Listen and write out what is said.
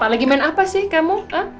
lagi main apa sih kamu